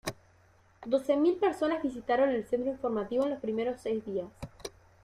Doce mil personas visitaron el centro informativo en los primeros seis días.